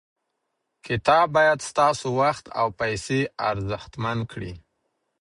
کتاب باید ستاسو وخت او پیسې ارزښتمن کړي.